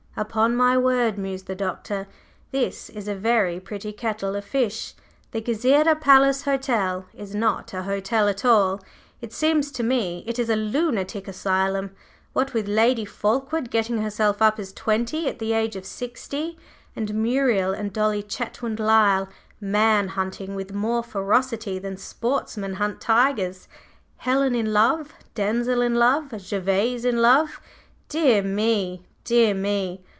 "Upon my word," mused the Doctor, "this is a very pretty kettle of fish! The Gezireh Palace Hotel is not a hotel at all, it seems to me; it is a lunatic asylum. What with Lady Fulkeward getting herself up as twenty at the age of sixty; and Muriel and Dolly Chetwynd Lyle man hunting with more ferocity than sportsmen hunt tigers; Helen in love, Denzil in love, Gervase in love dear me! dear me!